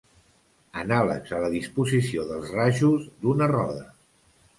Anàlegs a la disposició dels rajos d'una roda.